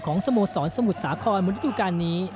ของสโมสรสมุทสาครวัวธุรการณ์นี้